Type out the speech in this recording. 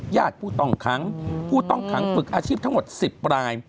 ญาติผู้ต้องค้างผู้ต้องค้างฝึกอาชีพทั้งหมด๑๐ราย